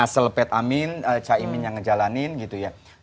selepet amin caimin yang ngejalanin gitu ya